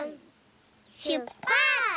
しゅっぱつ！